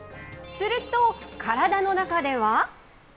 すると、体の中では。